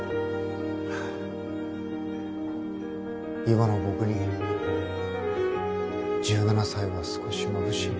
今の僕に１７才は少しまぶしい。